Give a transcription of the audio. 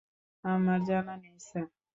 আমার জানা নেই স্যার।